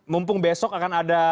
mumpung besok akan ada